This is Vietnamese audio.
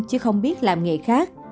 chứ không biết làm nghề khác